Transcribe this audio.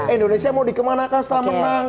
indonesia mau dikemana kan setelah menang